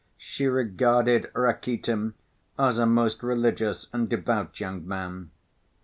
She regarded Rakitin as a most religious and devout young man.